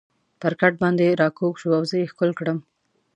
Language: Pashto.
پر کټ باندې را کږ شو او زه یې ښکل کړم.